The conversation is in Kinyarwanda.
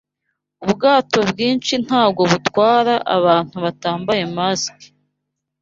Ubwato bwinshi ntgo butwara abantu batambaye masike